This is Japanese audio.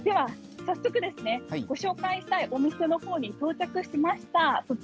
早速ご紹介したいお店の方に到着しました。